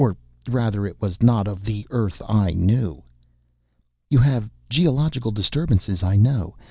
Or, rather, it was not of the earth I knew. "You have geological disturbances, I know.